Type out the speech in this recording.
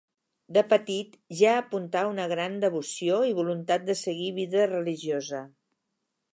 De petit ja apuntà una gran devoció i voluntat de seguir vida religiosa.